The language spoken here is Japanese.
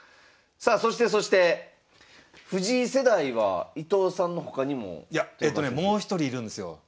さあそしてそして藤井世代は伊藤さんの他にも。いやえとねもう一人いるんですよ。